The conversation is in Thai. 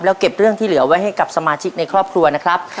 แล้วเก็บเรื่องที่เหลือไว้ให้กับสมาชิกในครอบครัวนะครับ